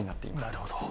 なるほど。